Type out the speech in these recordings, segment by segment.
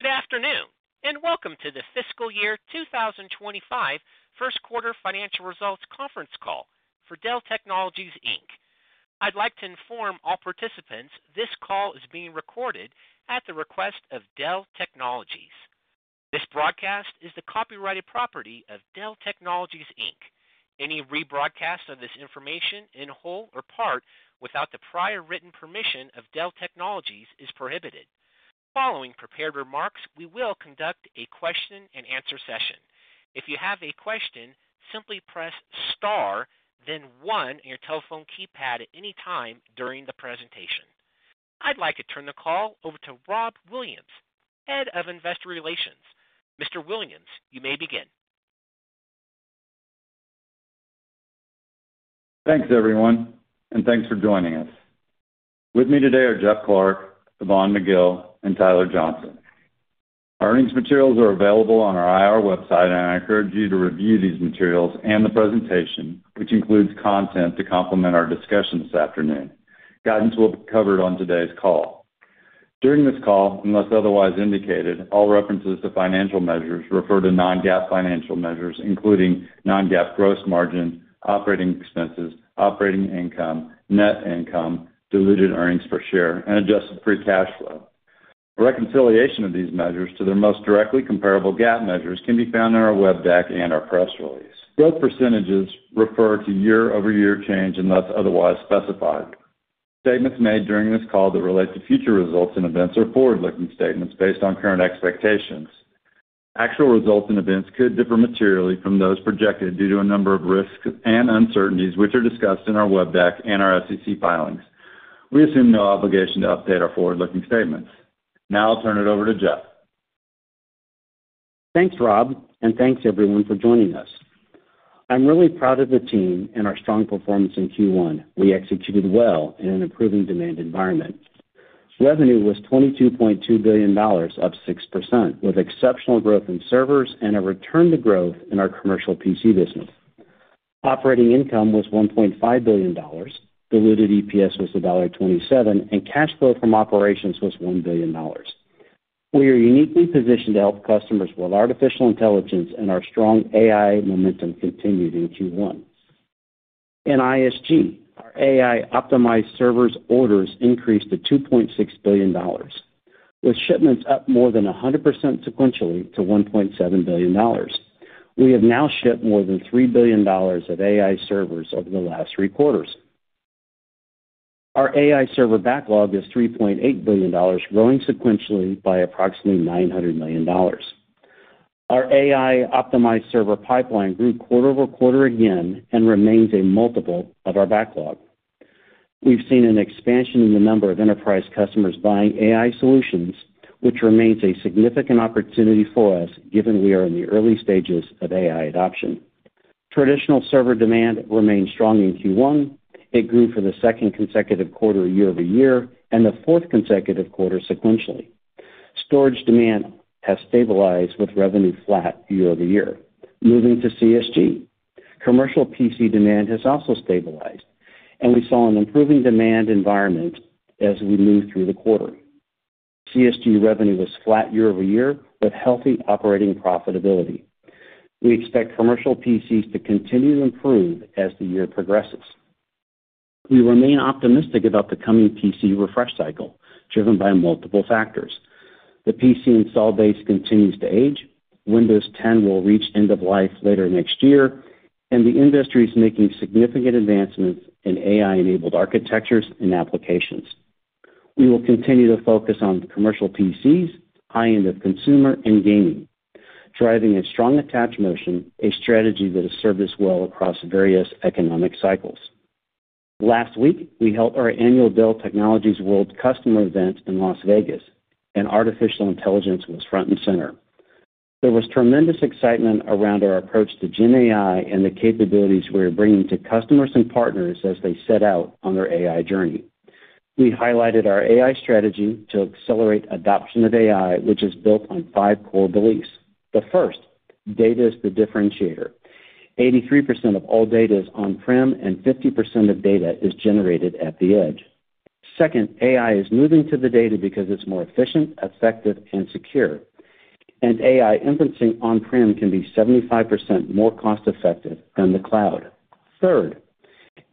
Good afternoon, and welcome to the fiscal year 2025 first quarter financial results conference call for Dell Technologies Inc. I'd like to inform all participants this call is being recorded at the request of Dell Technologies. This broadcast is the copyrighted property of Dell Technologies Inc. Any rebroadcast of this information, in whole or part, without the prior written permission of Dell Technologies, is prohibited. Following prepared remarks, we will conduct a question-and-answer session. If you have a question, simply press star, then one on your telephone keypad at any time during the presentation. I'd like to turn the call over to Rob Williams, Head of Investor Relations. Mr. Williams, you may begin. Thanks, everyone, and thanks for joining us. With me today are Jeff Clarke, Yvonne McGill, and Tyler Johnson. Our earnings materials are available on our IR website, and I encourage you to review these materials and the presentation, which includes content to complement our discussion this afternoon. Guidance will be covered on today's call. During this call, unless otherwise indicated, all references to financial measures refer to non-GAAP financial measures, including non-GAAP gross margin, operating expenses, operating income, net income, diluted earnings per share, and adjusted free cash flow. A reconciliation of these measures to their most directly comparable GAAP measures can be found in our web deck and our press release. Growth percentages refer to year-over-year change, unless otherwise specified. Statements made during this call that relate to future results and events are forward-looking statements based on current expectations. Actual results and events could differ materially from those projected due to a number of risks and uncertainties, which are discussed in our web deck and our SEC filings. We assume no obligation to update our forward-looking statements. Now I'll turn it over to Jeff. Thanks, Rob, and thanks, everyone, for joining us. I'm really proud of the team and our strong performance in Q1. We executed well in an improving demand environment. Revenue was $22.2 billion, up 6%, with exceptional growth in servers and a return to growth in our commercial PC business. Operating income was $1.5 billion, diluted EPS was $1.27, and cash flow from operations was $1 billion. We are uniquely positioned to help customers with artificial intelligence, and our strong AI momentum continued in Q1. In ISG, our AI-optimized servers orders increased to $2.6 billion, with shipments up more than 100% sequentially to $1.7 billion. We have now shipped more than $3 billion of AI servers over the last three quarters. Our AI server backlog is $3.8 billion, growing sequentially by approximately $900 million. Our AI-optimized server pipeline grew quarter-over-quarter again and remains a multiple of our backlog. We've seen an expansion in the number of enterprise customers buying AI solutions, which remains a significant opportunity for us, given we are in the early stages of AI adoption. Traditional server demand remained strong in Q1. It grew for the second consecutive quarter year-over-year and the fourth consecutive quarter sequentially. Storage demand has stabilized, with revenue flat year-over-year. Moving to CSG, commercial PC demand has also stabilized, and we saw an improving demand environment as we moved through the quarter. CSG revenue was flat year-over-year, with healthy operating profitability. We expect commercial PCs to continue to improve as the year progresses. We remain optimistic about the coming PC refresh cycle, driven by multiple factors. The PC install base continues to age. Windows 10 will reach end of life later next year, and the industry is making significant advancements in AI-enabled architectures and applications. We will continue to focus on commercial PCs, high end of consumer, and gaming, driving a strong attach motion, a strategy that has served us well across various economic cycles. Last week, we held our annual Dell Technologies World customer event in Las Vegas, and artificial intelligence was front and center. There was tremendous excitement around our approach to GenAI and the capabilities we are bringing to customers and partners as they set out on their AI journey. We highlighted our AI strategy to accelerate adoption of AI, which is built on five core beliefs. The first, data is the differentiator. 83% of all data is on-prem, and 50% of data is generated at the edge. Second, AI is moving to the data because it's more efficient, effective, and secure, and AI inferencing on-prem can be 75% more cost-effective than the cloud. Third,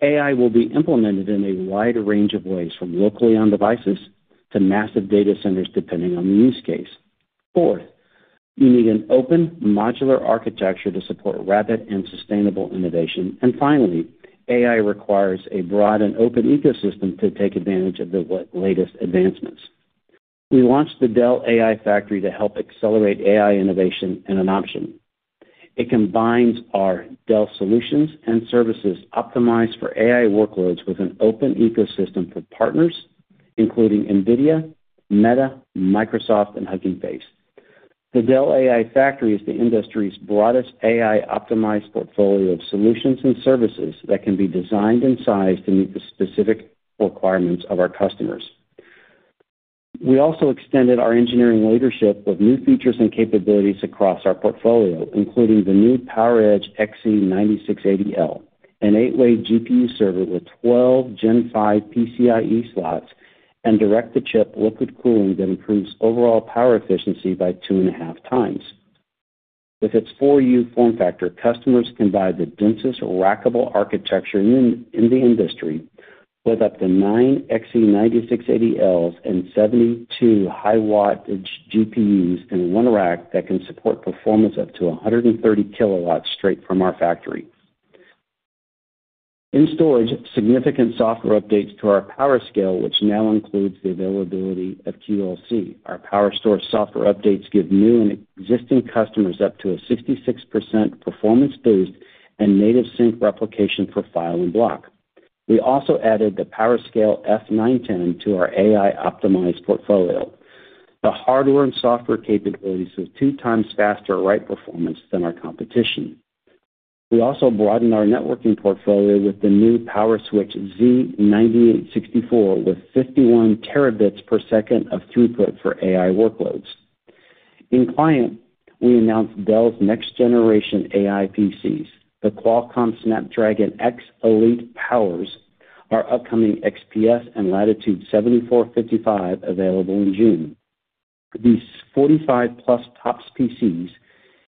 AI will be implemented in a wide range of ways, from locally on devices to massive data centers, depending on the use case. Fourth, you need an open, modular architecture to support rapid and sustainable innovation. And finally, AI requires a broad and open ecosystem to take advantage of the latest advancements. We launched the Dell AI Factory to help accelerate AI innovation and adoption. It combines our Dell solutions and services optimized for AI workloads with an open ecosystem for partners, including NVIDIA, Meta, Microsoft, and Hugging Face. The Dell AI Factory is the industry's broadest AI-optimized portfolio of solutions and services that can be designed and sized to meet the specific requirements of our customers. We also extended our engineering leadership with new features and capabilities across our portfolio, including the new PowerEdge XE9680L, an 8-way GPU server with 12 Gen 5 PCIe slots and direct-to-chip liquid cooling that improves overall power efficiency by 2.5 times. With its 4U form factor, customers can buy the densest rackable architecture in, in the industry, with up to nine XE9680Ls and 72 high-wattage GPUs in one rack that can support performance up to 130 kW straight from our factory. In storage, significant software updates to our PowerScale, which now includes the availability of QLC. Our PowerStore software updates give new and existing customers up to a 66% performance boost and native sync replication for file and block. We also added the PowerScale F910 to our AI-optimized portfolio. The hardware and software capabilities is 2x faster write performance than our competition. We also broadened our networking portfolio with the new PowerSwitch Z9864, with 51 terabits per second of throughput for AI workloads. In client, we announced Dell's next generation AI PCs. The Qualcomm Snapdragon X Elite powers our upcoming XPS and Latitude 7455, available in June. These 45+ TOPS PCs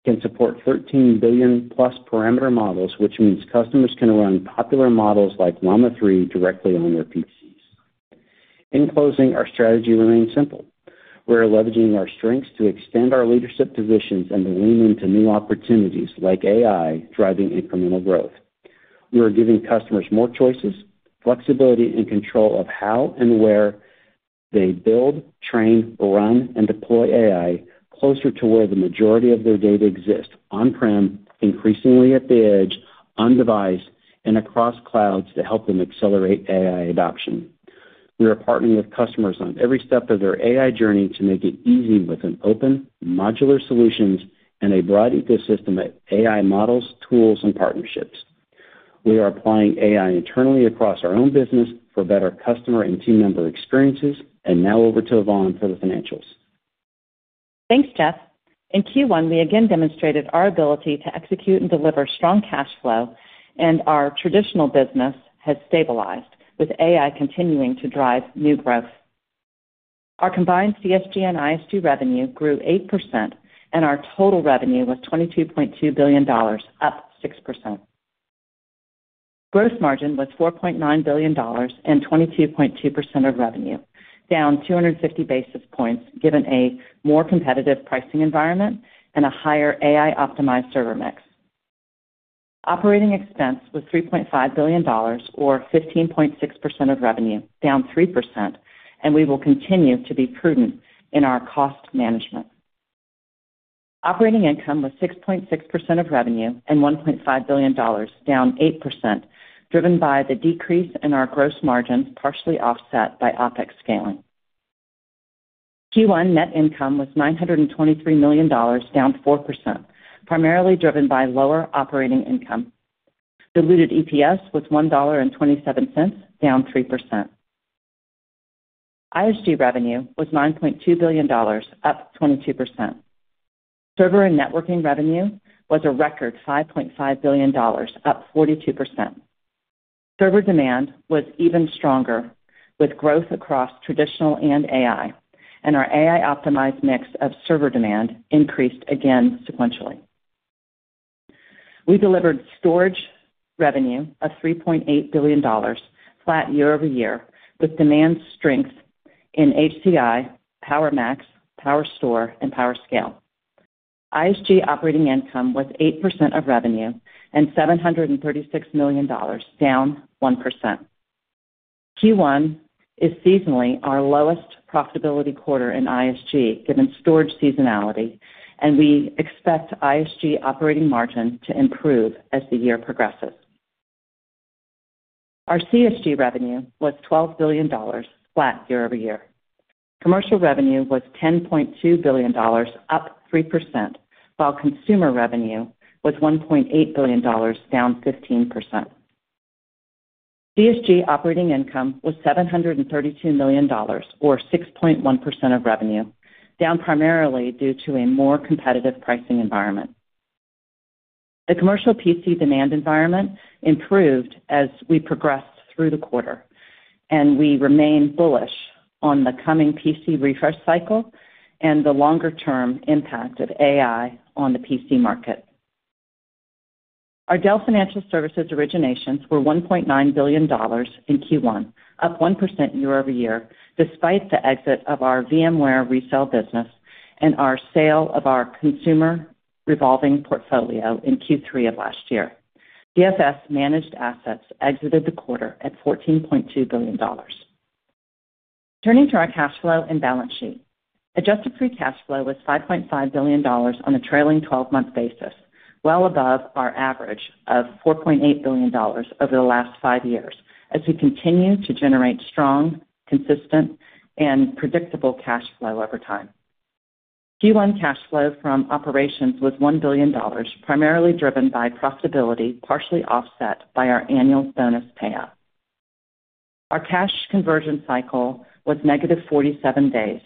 can support 13+ billion parameter models, which means customers can run popular models like Llama 3 directly on their PCs. In closing, our strategy remains simple: We are leveraging our strengths to extend our leadership positions and to lean into new opportunities, like AI, driving incremental growth. We are giving customers more choices, flexibility, and control of how and where they build, train, run, and deploy AI closer to where the majority of their data exists, on-prem, increasingly at the edge, on-device, and across clouds to help them accelerate AI adoption. We are partnering with customers on every step of their AI journey to make it easy with an open, modular solutions and a broad ecosystem of AI models, tools, and partnerships. We are applying AI internally across our own business for better customer and team member experiences. Now over to Yvonne for the financials. Thanks, Jeff. In Q1, we again demonstrated our ability to execute and deliver strong cash flow, and our traditional business has stabilized, with AI continuing to drive new growth. Our combined CSG and ISG revenue grew 8%, and our total revenue was $22.2 billion, up 6%. Gross margin was $4.9 billion and 22.2% of revenue, down 250 basis points, given a more competitive pricing environment and a higher AI-optimized server mix. Operating expense was $3.5 billion, or 15.6% of revenue, down 3%, and we will continue to be prudent in our cost management. Operating income was 6.6% of revenue and $1.5 billion, down 8%, driven by the decrease in our gross margin, partially offset by OpEx scaling. Q1 net income was $923 million, down 4%, primarily driven by lower operating income. Diluted EPS was $1.27, down 3%. ISG revenue was $9.2 billion, up 22%. Server and networking revenue was a record $5.5 billion, up 42%. Server demand was even stronger, with growth across traditional and AI, and our AI-optimized mixof server demand increased again sequentially. We delivered storage revenue of $3.8 billion, flat year-over-year, with demand strength in HCI, PowerMax, PowerStore, and PowerScale. ISG operating income was 8% of revenue and $736 million, down 1%. Q1 is seasonally our lowest profitability quarter in ISG, given storage seasonality, and we expect ISG operating margin to improve as the year progresses. Our CSG revenue was $12 billion, flat year-over-year. Commercial revenue was $10.2 billion, up 3%, while consumer revenue was $1.8 billion, down 15%. CSG operating income was $732 million, or 6.1% of revenue, down primarily due to a more competitive pricing environment. The commercial PC demand environment improved as we progressed through the quarter, and we remain bullish on the coming PC refresh cycle and the longer-term impact of AI on the PC market. Our Dell Financial Services originations were $1.9 billion in Q1, up 1% year-over-year, despite the exit of our VMware resale business and our sale of our consumer revolving portfolio in Q3 of last year. DFS managed assets exited the quarter at $14.2 billion. Turning to our cash flow and balance sheet. Adjusted free cash flow was $5.5 billion on a trailing 12-month basis, well above our average of $4.8 billion over the last five years, as we continue to generate strong, consistent, and predictable cash flow over time. Q1 cash flow from operations was $1 billion, primarily driven by profitability, partially offset by our annual bonus payout. Our cash conversion cycle was -47 days,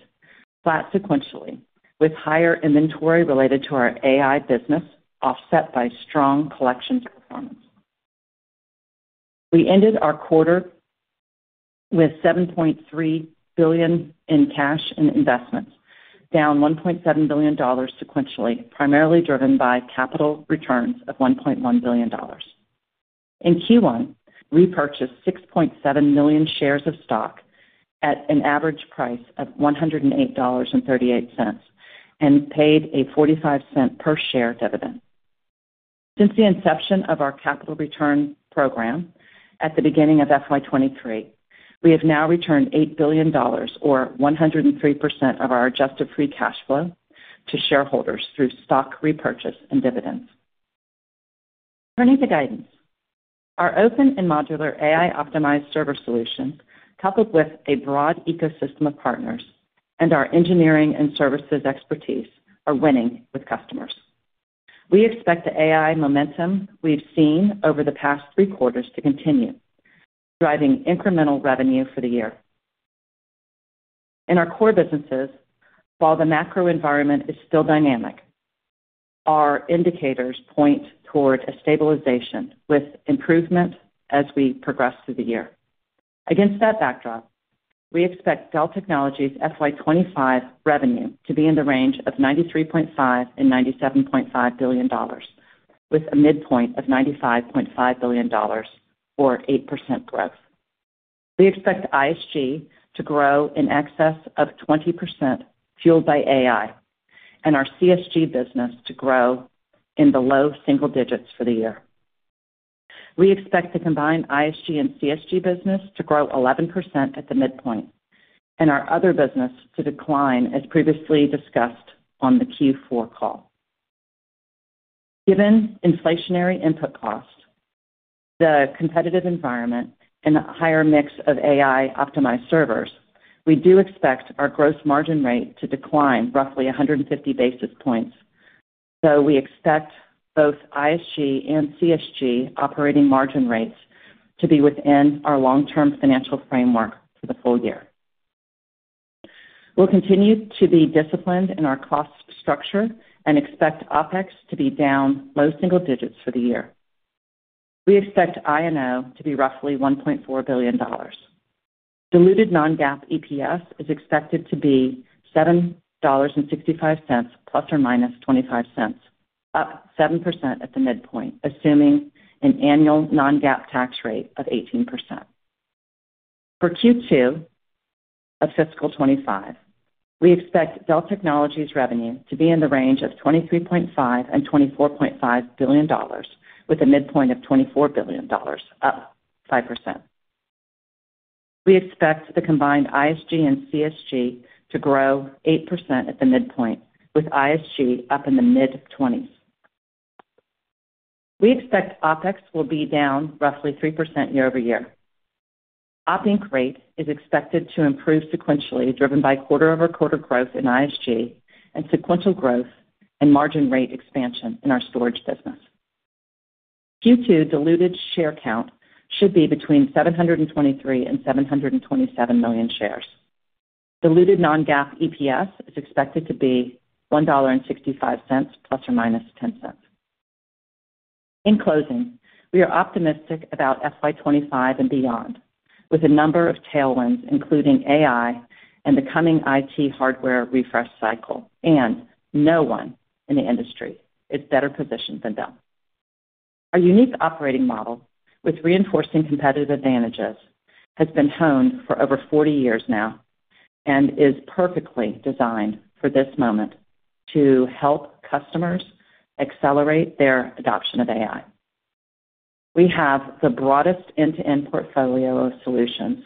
flat sequentially, with higher inventory related to our AI business, offset by strong collections performance. We ended our quarter with $7.3 billion in cash and investments, down $1.7 billion sequentially, primarily driven by capital returns of $1.1 billion. In Q1, we purchased 6.7 million shares of stock at an average price of $108.38, and paid a $0.45 per share dividend. Since the inception of our capital return program at the beginning of FY 2023, we have now returned $8 billion, or 103% of our adjusted free cash flow, to shareholders through stock repurchase and dividends. Turning to guidance. Our open and modular AI-optimized server solution, coupled with a broad ecosystem of partners and our engineering and services expertise, are winning with customers. We expect the AI momentum we've seen over the past three quarters to continue, driving incremental revenue for the year. In our core businesses, while the macro environment is still dynamic, our indicators point toward a stabilization with improvement as we progress through the year. Against that backdrop, we expect Dell Technologies' FY 2025 revenue to be in the range of $93.5-$97.5 billion, with a midpoint of $95.5 billion, or 8% growth. We expect ISG to grow in excess of 20%, fueled by AI, and our CSG business to grow in the low single digits for the year. We expect the combined ISG and CSG business to grow 11% at the midpoint, and our other business to decline, as previously discussed on the Q4 call. Given inflationary input costs, the competitive environment, and a higher mix of AI-optimized servers, we do expect our gross margin rate to decline roughly 150 basis points. So we expect both ISG and CSG operating margin rates to be within our long-term financial framework for the full-year. We'll continue to be disciplined in our cost structure and expect OpEx to be down low single digits for the year. We expect Op Inc to be roughly $1.4 billion. Diluted non-GAAP EPS is expected to be $7.65, ±$0.25, up 7% at the midpoint, assuming an annual non-GAAP tax rate of 18%. For Q2 of fiscal 2025, we expect Dell Technologies revenue to be in the range of $23.5-$24.5 billion, with a midpoint of $24 billion, up 5%. We expect the combined ISG and CSG to grow 8% at the midpoint, with ISG up in the mid-20s. We expect OpEx will be down roughly 3% year-over-year. Op Inc rate is expected to improve sequentially, driven by quarter-over-quarter growth in ISG and sequential growth and margin rate expansion in our storage business. Q2 diluted share count should be between 723 and 727 million shares. Diluted non-GAAP EPS is expected to be $1.65 ± $0.10. In closing, we are optimistic about FY 2025 and beyond, with a number of tailwinds, including AI and the coming IT hardware refresh cycle, and no one in the industry is better positioned than Dell. Our unique operating model, with reinforcing competitive advantages, has been honed for over 40 years now and is perfectly designed for this moment to help customers accelerate their adoption of AI. We have the broadest end-to-end portfolio of solutions,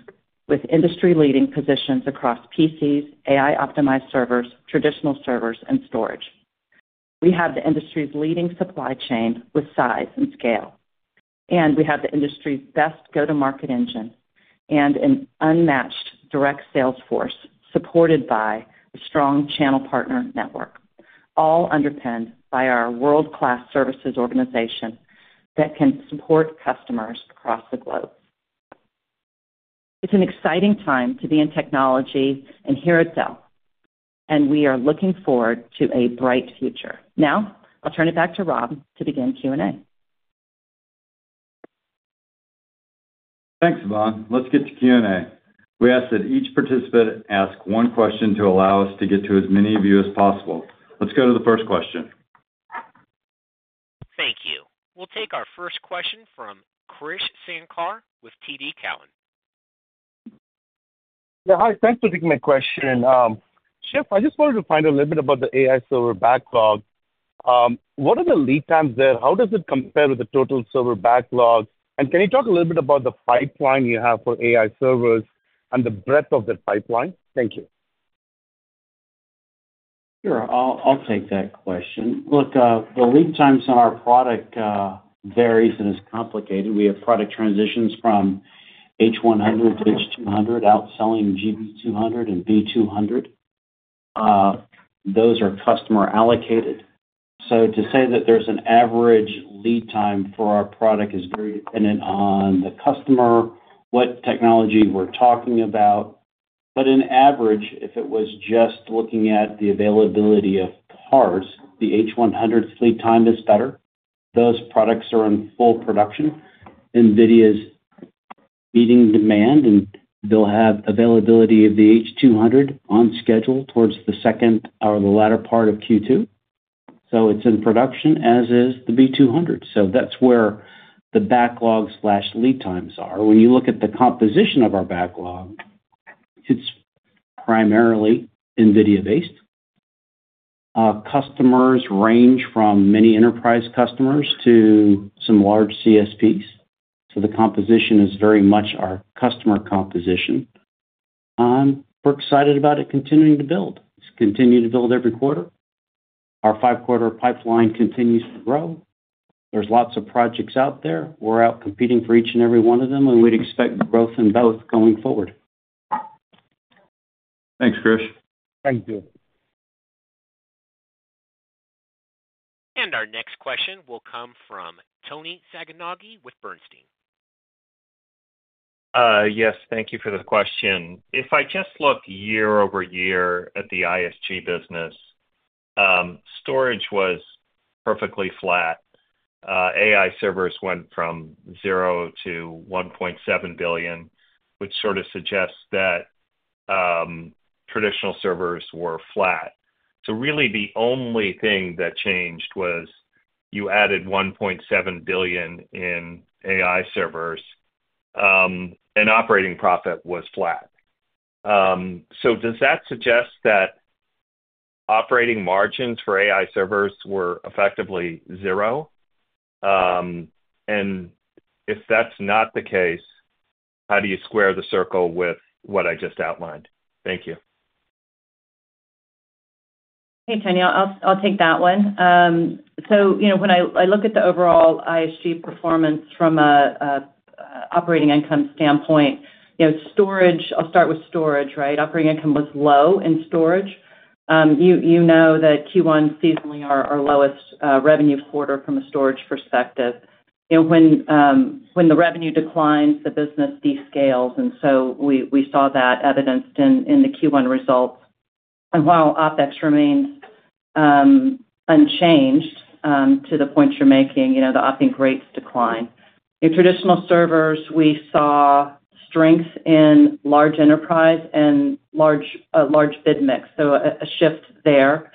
with industry-leading positions across PCs, AI-optimized servers, traditional servers, and storage. We have the industry's leading supply chain with size and scale, and we have the industry's best go-to-market engine and an unmatched direct sales force, supported by a strong channel partner network, all underpinned by our world-class services organization that can support customers across the globe. It's an exciting time to be in technology and here at Dell, and we are looking forward to a bright future. Now, I'll turn it back to Rob to begin Q&A. Thanks, Yvonne. Let's get to Q&A. We ask that each participant ask one question to allow us to get to as many of you as possible. Let's go to the first question. Thank you. We'll take our first question from Krish Sankar with TD Cowen. Yeah, hi, thanks for taking my question. Jeff, I just wanted to find a little bit about the AI server backlog. What are the lead times there? How does it compare with the total server backlog? And can you talk a little bit about the pipeline you have for AI servers and the breadth of that pipeline? Thank you. Sure. I'll take that question. Look, the lead times on our product varies and is complicated. We have product transitions from H100-H200, out selling GB200 and B200. Those are customer allocated. So to say that there's an average lead time for our product is very dependent on the customer, what technology we're talking about. But on average, if it was just looking at the availability of parts, the H100 lead time is better. Those products are in full production. NVIDIA's meeting demand, and they'll have availability of the H200 on schedule towards the second or the latter part of Q2. So it's in production, as is the B200. So that's where the backlog/lead times are. When you look at the composition of our backlog, it's primarily NVIDIA-based. Our customers range from many enterprise customers to some large CSPs, so the composition is very much our customer composition. We're excited about it continuing to build. It's continued to build every quarter. Our 5-quarter pipeline continues to grow. There's lots of projects out there. We're out competing for each and every one of them, and we'd expect growth in both going forward. Thanks, Chris. Thank you. Our next question will come from Toni Sacconaghi with Bernstein. Yes, thank you for the question. If I just look year-over-year at the ISG business, storage was perfectly flat. AI servers went from $0-$1.7 billion, which sort of suggests that, traditional servers were flat. So really, the only thing that changed was you added $1.7 billion in AI servers, and operating profit was flat. So does that suggest that operating margins for AI servers were effectively zero? And if that's not the case, how do you square the circle with what I just outlined? Thank you. Hey, Toni, I'll take that one. So you know, when I look at the overall ISG performance from a operating income standpoint, you know, storage. I'll start with storage, right? Operating income was low in storage. You know that Q1 seasonally our lowest revenue quarter from a storage perspective. You know, when the revenue declines, the business descales, and so we saw that evidenced in the Q1 results. And while OpEx remains unchanged, to the point you're making, you know, the op rates decline. In traditional servers, we saw strength in large enterprise and large bid mix, so a shift there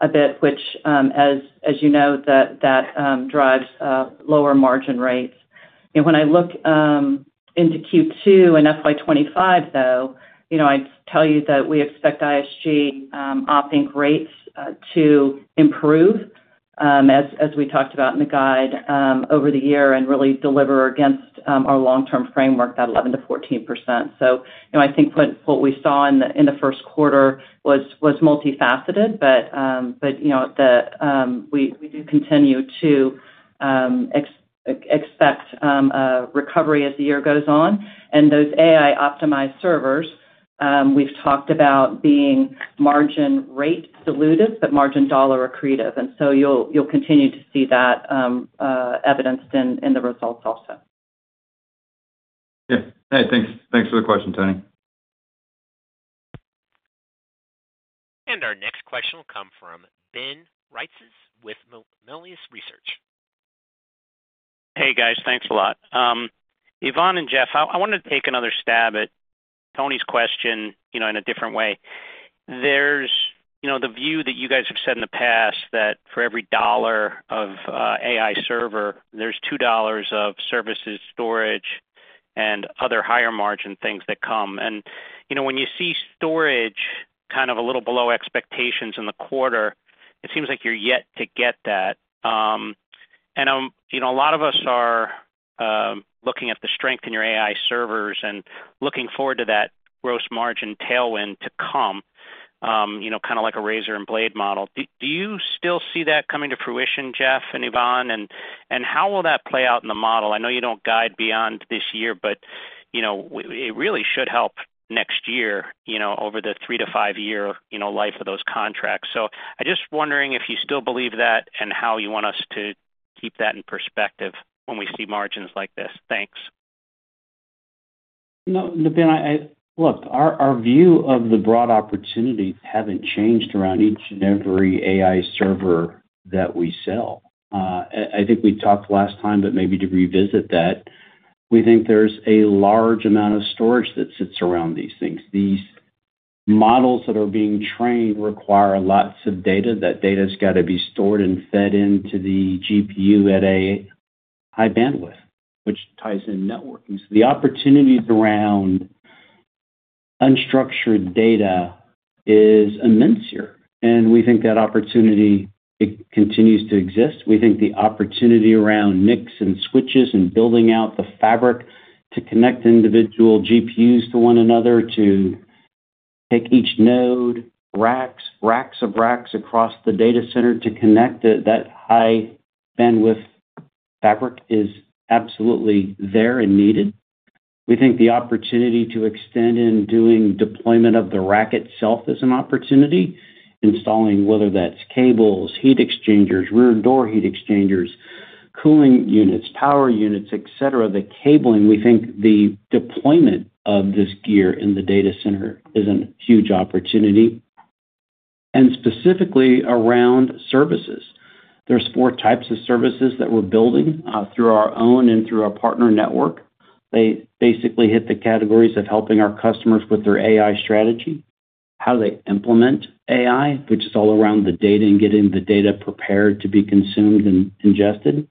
a bit, which, as you know, that drives lower margin rates. And when I look into Q2 and FY 2025, though, you know, I'd tell you that we expect ISG Op Inc rates to improve, as we talked about in the guide, over the year and really deliver against our long-term framework, that 11%-14%. So, you know, I think what we saw in the first quarter was multifaceted. But, you know, we do continue to expect a recovery as the year goes on. And those AI optimized servers we've talked about being margin rate dilutive, but margin dollar accretive, and so you'll continue to see that evidenced in the results also. Yeah. Hey, thanks, thanks for the question, Tony. Our next question will come from Ben Reitzes with Melius Research. Hey, guys. Thanks a lot. Yvonne and Jeff, I, I wanted to take another stab at Tony's question, you know, in a different way. There's, you know, the view that you guys have said in the past that for every $1 of AI server, there's $2 of services, storage, and other higher margin things that come. And, you know, when you see storage kind of a little below expectations in the quarter, it seems like you're yet to get that. And, you know, a lot of us are looking at the strength in your AI servers and looking forward to that gross margin tailwind to come, you know, kind of like a razor and blade model. Do, do you still see that coming to fruition, Jeff and Yvonne? And, and how will that play out in the model? I know you don't guide beyond this year, but, you know, it really should help next year, you know, over the 3-5-year, you know, life of those contracts. So I'm just wondering if you still believe that and how you want us to keep that in perspective when we see margins like this. Thanks. Look, our view of the broad opportunities haven't changed around each and every AI server that we sell. I think we talked last time, but maybe to revisit that, we think there's a large amount of storage that sits around these things. These models that are being trained require lots of data. That data's got to be stored and fed into the GPU at a high bandwidth, which ties in networking. So the opportunities around unstructured data is immense here, and we think that opportunity, it continues to exist. We think the opportunity around mix and switches and building out the fabric to connect individual GPUs to one another, to take each node, racks of racks across the data center to connect that high bandwidth fabric is absolutely there and needed. We think the opportunity to extend in doing deployment of the rack itself is an opportunity. Installing, whether that's cables, heat exchangers, rear door heat exchangers, cooling units, power units, et cetera, the cabling, we think the deployment of this gear in the data center is a huge opportunity, and specifically around services. There's four types of services that we're building through our own and through our partner network. They basically hit the categories of helping our customers with their AI strategy, how they implement AI, which is all around the data, and getting the data prepared to be consumed and ingested.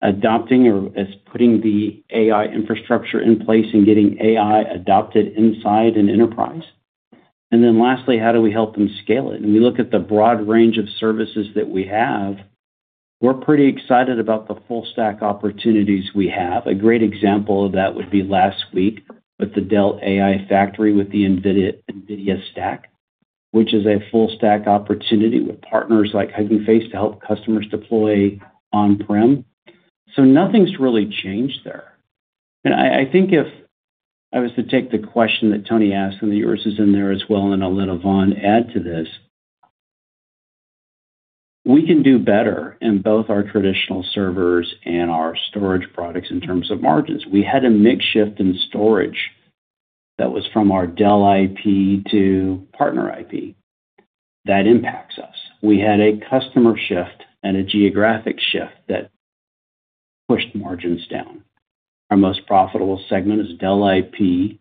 Adopting or as putting the AI infrastructure in place and getting AI adopted inside an enterprise. And then lastly, how do we help them scale it? And we look at the broad range of services that we have, we're pretty excited about the full stack opportunities we have. A great example of that would be last week with the Dell AI Factory, with the NVIDIA, NVIDIA stack, which is a full stack opportunity with partners like Hugging Face to help customers deploy on-prem. So nothing's really changed there. And I, I think if I was to take the question that Tony asked, and yours is in there as well, and I'll let Yvonne add to this. We can do better in both our traditional servers and our storage products in terms of margins. We had a mix shift in storage that was from our Dell IP to partner IP. That impacts us. We had a customer shift and a geographic shift that pushed margins down. Our most profitable segment is Dell IP,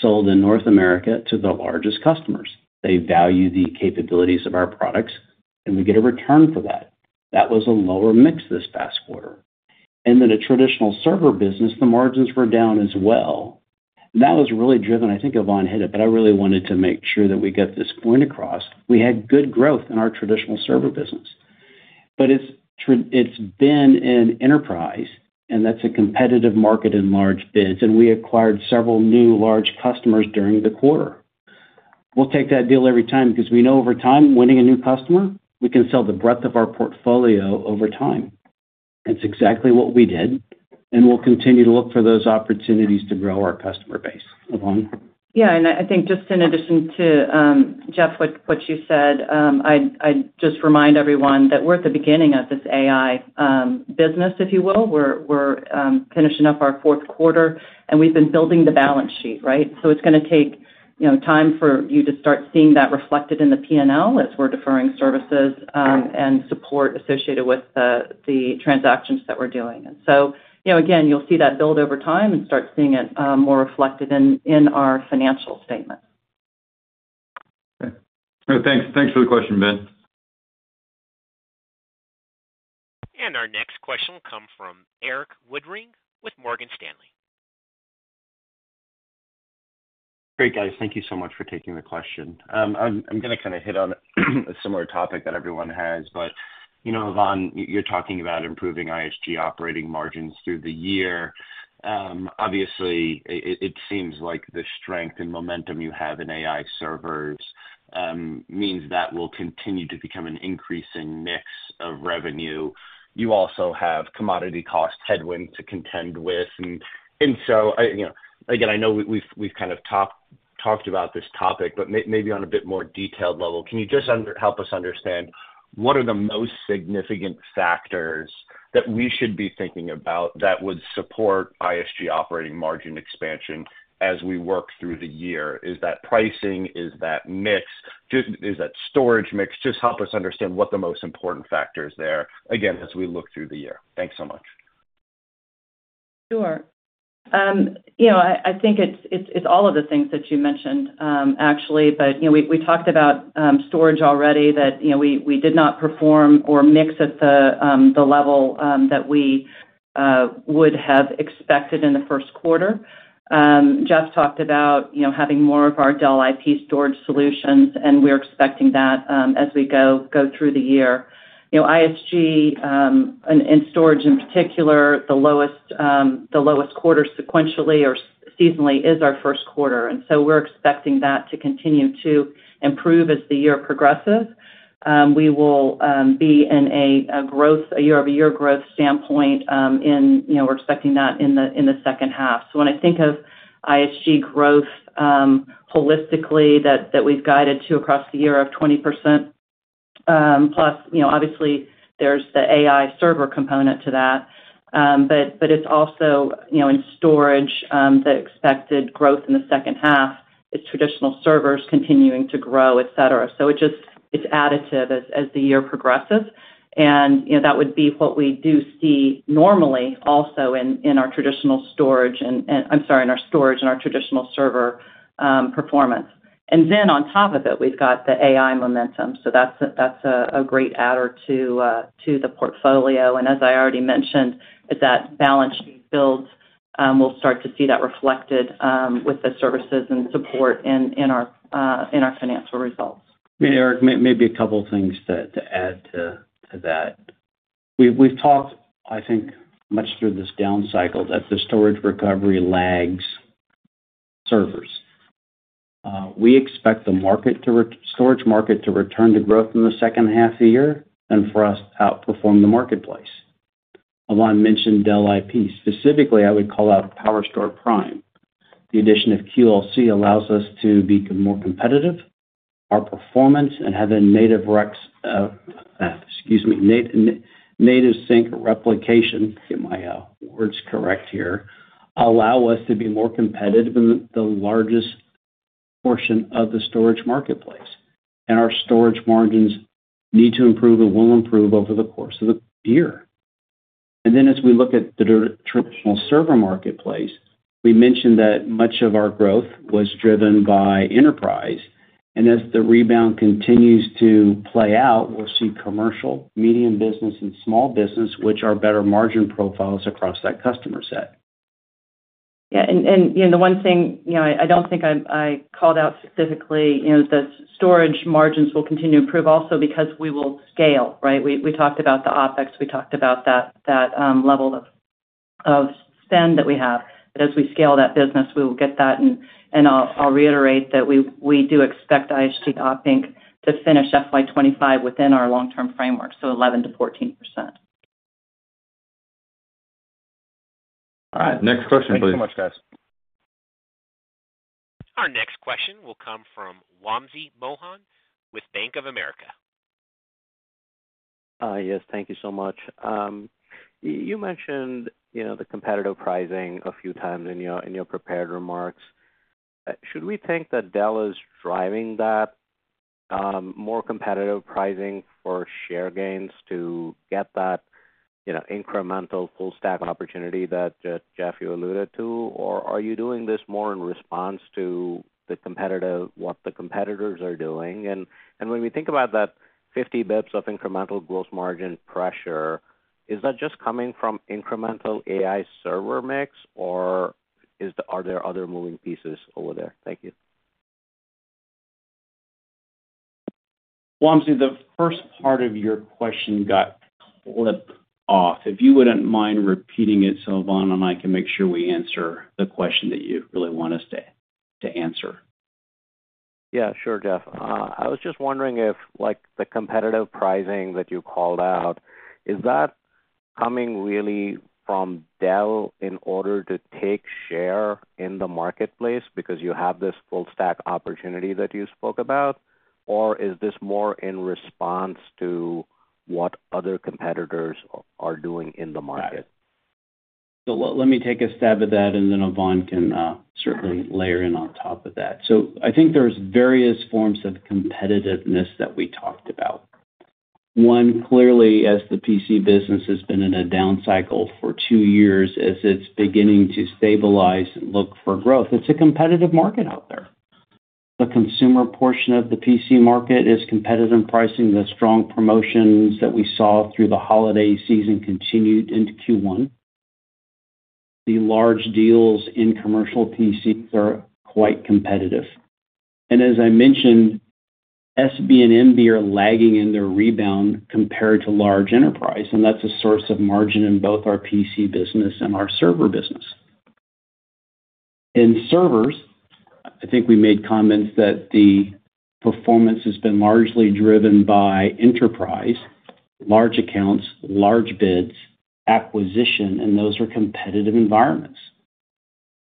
sold in North America to the largest customers. They value the capabilities of our products, and we get a return for that. That was a lower mix this past quarter. And then a traditional server business, the margins were down as well. That was really driven I think Yvonne hit it, but I really wanted to make sure that we get this point across. We had good growth in our traditional server business, but it's been in enterprise, and that's a competitive market in large bids, and we acquired several new large customers during the quarter. We'll take that deal every time because we know over time, winning a new customer, we can sell the breadth of our portfolio over time. That's exactly what we did, and we'll continue to look for those opportunities to grow our customer base. Yvonne? Yeah, and I think just in addition to, Jeff, what you said, I'd just remind everyone that we're at the beginning of this AI business, if you will. We're finishing up our fourth quarter, and we've been building the balance sheet, right? So it's gonna take, you know, time for you to start seeing that reflected in the P&L as we're deferring services and support associated with the transactions that we're doing. And so, you know, again, you'll see that build over time and start seeing it more reflected in our financial statements. Okay. Thanks, thanks for the question, Ben. Our next question will come from Eric Woodring with Morgan Stanley. Great, guys. Thank you so much for taking the question. I'm gonna kinda hit on a similar topic that everyone has. But, you know, Yvonne, you're talking about improving ISG operating margins through the year. Obviously, it seems like the strength and momentum you have in AI servers means that will continue to become an increasing mix of revenue. You also have commodity cost headwind to contend with, and so, I, you know, again, I know we've kind of talked about this topic, but maybe on a bit more detailed level. Can you just help us understand, what are the most significant factors that we should be thinking about that would support ISG operating margin expansion as we work through the year? Is that pricing? Is that mix? Just is that storage mix? Just help us understand what the most important factors there, again, as we look through the year. Thanks so much. Sure. You know, I think it's all of the things that you mentioned, actually. But you know, we talked about storage already, that you know, we did not perform or mix at the level that we would have expected in the first quarter. Jeff talked about, you know, having more of our Dell IP storage solutions, and we're expecting that as we go through the year. You know, ISG and storage in particular, the lowest quarter sequentially or seasonally is our first quarter, and so we're expecting that to continue to improve as the year progresses. We will be in a year-over-year growth standpoint, you know, we're expecting that in the second half. So when I think of ISG growth, holistically, that we've guided to across the year of 20%, plus, you know, obviously there's the AI server component to that. But it's also, you know, in storage, the expected growth in the second half, it's traditional servers continuing to grow, et cetera. So it just, it's additive as the year progresses, and, you know, that would be what we do see normally also in our traditional storage and... I'm sorry, in our storage and our traditional server performance. And then on top of it, we've got the AI momentum, so that's a great adder to the portfolio, and as I already mentioned, as that balance sheet builds, we'll start to see that reflected with the services and support in our financial results. Yeah, Eric, maybe a couple of things to add to that. We've talked, I think, much through this down cycle that the storage recovery lags servers... we expect the storage market to return to growth in the second half of the year, and for us to outperform the marketplace. I want to mention Dell IP. Specifically, I would call out PowerStore Prime. The addition of QLC allows us to be more competitive, our performance, and have a native sync replication, get my words correct here, allow us to be more competitive in the largest portion of the storage marketplace. And our storage margins need to improve and will improve over the course of the year. And then as we look at the traditional server marketplace, we mentioned that much of our growth was driven by enterprise, and as the rebound continues to play out, we'll see commercial, medium business, and small business, which are better margin profiles across that customer set. Yeah, and you know, the one thing, you know, I don't think I called out specifically, you know, the storage margins will continue to improve also because we will scale, right? We talked about the OpEx, we talked about that level of spend that we have. But as we scale that business, we will get that, and I'll reiterate that we do expect ISG Op Inc. to finish FY 2025 within our long-term framework, so 11%-14%. All right, next question, please. Thank you so much, guys. Our next question will come from Wamsi Mohan, with Bank of America. Yes, thank you so much. You mentioned, you know, the competitive pricing a few times in your prepared remarks. Should we think that Dell is driving that more competitive pricing for share gains to get that, you know, incremental full stack opportunity that, Jeff, you alluded to? Or are you doing this more in response to the competitive—what the competitors are doing? And when we think about that 50 basis points of incremental gross margin pressure, is that just coming from incremental AI server mix, or are there other moving pieces over there? Thank you. Wamsi, the first part of your question got clipped off. If you wouldn't mind repeating it, so Yvonne and I can make sure we answer the question that you really want us to, to answer. Yeah, sure, Jeff. I was just wondering if, like, the competitive pricing that you called out, is that coming really from Dell in order to take share in the marketplace because you have this full stack opportunity that you spoke about? Or is this more in response to what other competitors are doing in the market? Got it. So let me take a stab at that, and then Yvonne can certainly layer in on top of that. So I think there's various forms of competitiveness that we talked about. One, clearly, as the PC business has been in a down cycle for two years, as it's beginning to stabilize and look for growth, it's a competitive market out there. The consumer portion of the PC market is competitive in pricing. The strong promotions that we saw through the holiday season continued into Q1. The large deals in commercial PCs are quite competitive. And as I mentioned, SB and MB are lagging in their rebound compared to large enterprise, and that's a source of margin in both our PC business and our server business. In servers, I think we made comments that the performance has been largely driven by enterprise, large accounts, large bids, acquisition, and those are competitive environments.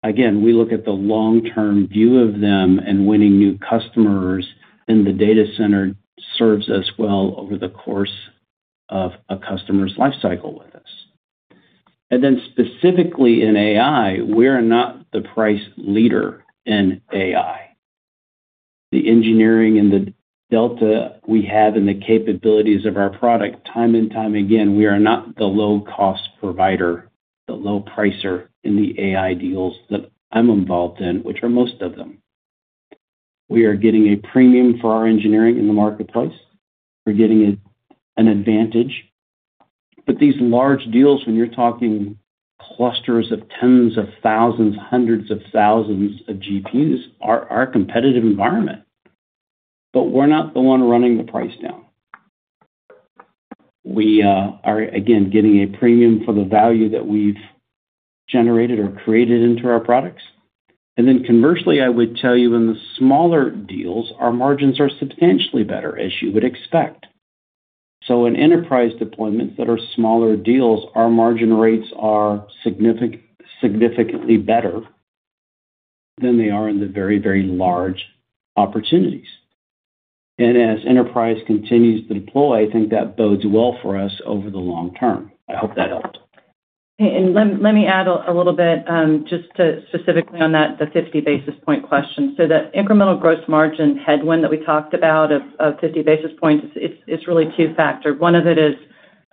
Again, we look at the long-term view of them, and winning new customers in the data center serves us well over the course of a customer's life cycle with us. And then specifically in AI, we're not the price leader in AI. The engineering and the delta we have and the capabilities of our product, time and time again, we are not the low-cost provider, the low pricer in the AI deals that I'm involved in, which are most of them. We are getting a premium for our engineering in the marketplace. We're getting an advantage. But these large deals, when you're talking clusters of tens of thousands, hundreds of thousands of GPUs, are our competitive environment. But we're not the one running the price down. We are, again, getting a premium for the value that we've generated or created into our products. And then commercially, I would tell you in the smaller deals, our margins are substantially better, as you would expect. So in enterprise deployments that are smaller deals, our margin rates are significantly better than they are in the very, very large opportunities. And as enterprise continues to deploy, I think that bodes well for us over the long term. I hope that helped. And let me add a little bit, just to specifically on that, the 50 basis point question. So the incremental gross margin headwind that we talked about of 50 basis points, it's really two factor. One of it is,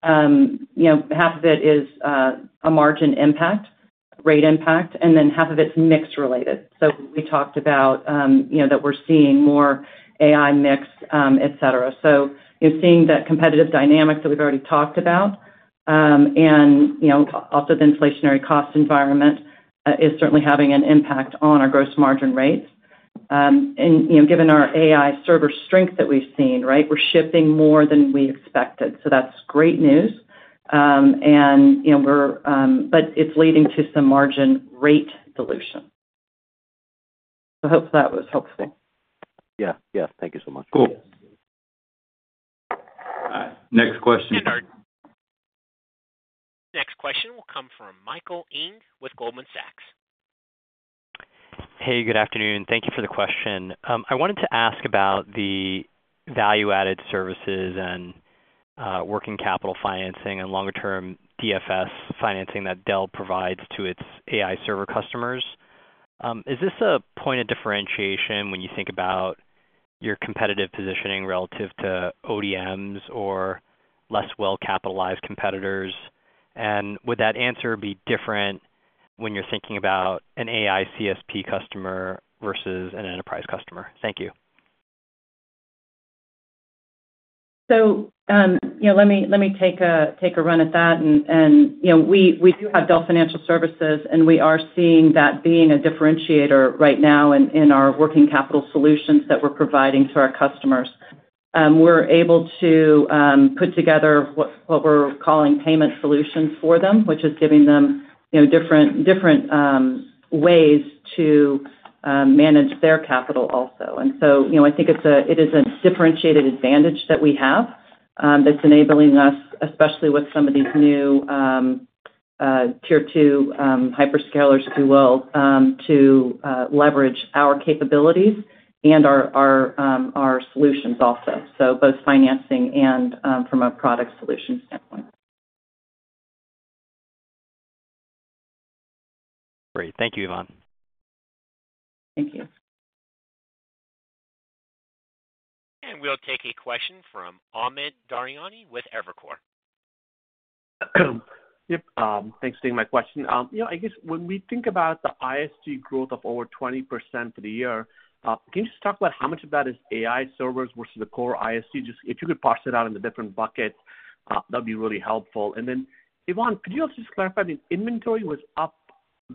you know, half of it is a margin impact, rate impact, and then half of it's mix related. So we talked about, you know, that we're seeing more AI mix, et cetera. So you're seeing that competitive dynamics that we've already talked about, and, you know, also the inflationary cost environment is certainly having an impact on our gross margin rates. And, you know, given our AI server strength that we've seen, right, we're shipping more than we expected, so that's great news.... and, you know, but it's leading to some margin rate dilution. I hope that was helpful. Yeah. Yeah, thank you so much. Cool. All right, next question. Next question will come from Michael Ng with Goldman Sachs. Hey, good afternoon. Thank you for the question. I wanted to ask about the value-added services and working capital financing and longer-term DFS financing that Dell provides to its AI server customers. Is this a point of differentiation when you think about your competitive positioning relative to ODMs or less well-capitalized competitors? And would that answer be different when you're thinking about an AI CSP customer versus an enterprise customer? Thank you. So, you know, let me take a run at that. You know, we do have Dell Financial Services, and we are seeing that being a differentiator right now in our working capital solutions that we're providing to our customers. We're able to put together what we're calling payment solutions for them, which is giving them, you know, different ways to manage their capital also. So, you know, I think it is a differentiated advantage that we have, that's enabling us, especially with some of these new Tier 2 hyperscalers, if you will, to leverage our capabilities and our solutions also, so both financing and from a product solution standpoint. Great. Thank you, Yvonne. Thank you. We'll take a question from Amit Daryanani with Evercore. Yep, thanks for taking my question. You know, I guess when we think about the ISG growth of over 20% for the year, can you just talk about how much of that is AI servers versus the core ISG? Just if you could parse it out into different buckets, that'd be really helpful. And then, Yvonne, could you also just clarify, the inventory was up